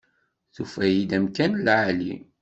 Tufa-yi-d amkan n lεali.